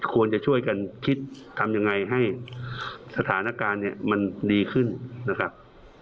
ควรจะช่วยกันคิดทำยังไงให้สถานการณ์เนี่ยมันดีขึ้นนะครับ